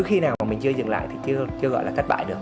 khi nào mà mình chưa dừng lại thì chưa gọi là thất bại được